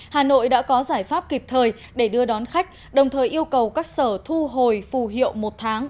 hà nội đã có giải pháp kịp thời để đưa đón khách đồng thời yêu cầu các sở thu hồi phù hiệu một tháng